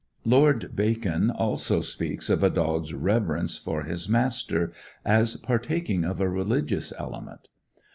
Lord Bacon also speaks of a dog's reverence for his master as partaking of a religious element.